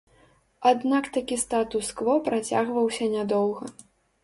Аднак такі статус-кво працягваўся нядоўга.